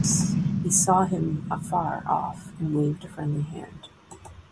He saw him afar off and waved a friendly hand.